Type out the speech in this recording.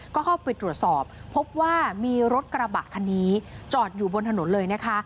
ก็เข้าไปตรวจสอบพบว่ามีรถกระบะคันนี้จอดอยู่บนถนนเลยนะคะ